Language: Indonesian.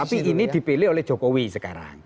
tapi ini dipilih oleh jokowi sekarang